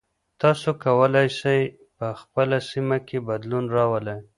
تاسو کولای سئ په خپله سیمه کې بدلون راولئ.